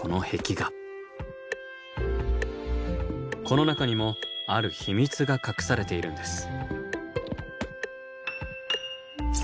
この中にもある秘密が隠されているんです。